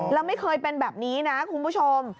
แล้วไม่เคยเป็นแบบนี้นะคุณผู้ชม